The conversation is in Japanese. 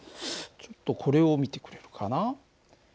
ちょっとこれを見てくれるかな。